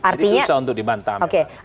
jadi susah untuk dibantah